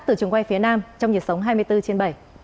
từ trường quay phía nam trong nhịp sống hai mươi bốn trên bảy